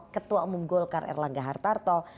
ketua umum golkar erlangga hartarto